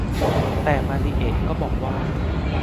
แต่มาริเอะก็บอกว่า